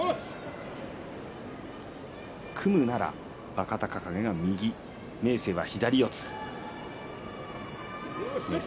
組むなら若隆景は右、明生は左四つです。